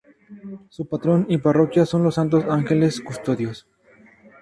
Su patrón y parroquia son los Santos Ángeles Custodios.